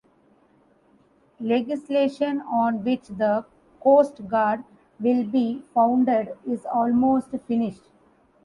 Legislation on which the Coast Guard will be founded is almost finished.